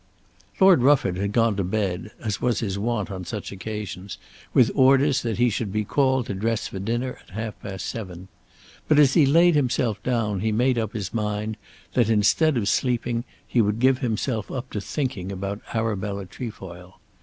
Lord Rufford had gone to bed, as was his wont on such occasions, with orders that he should be called to dress for dinner at half past seven. But as he laid himself down he made up his mind that, instead of sleeping, he would give himself up to thinking about Arabella Trefoil.